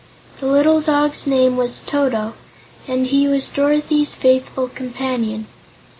The little dog's name was Toto, and he was Dorothy's faithful companion.